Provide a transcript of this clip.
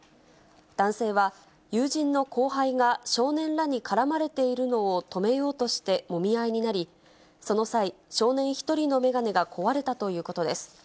男性は、友人の後輩が少年らに絡まれているのを止めようとしてもみ合いになり、その際、少年１人の眼鏡が壊れたということです。